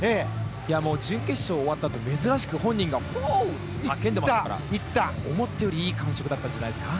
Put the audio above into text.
準決勝終わったあと珍しく本人がワオ！って叫んでいましたから思ったよりいい感触だったんじゃないですか。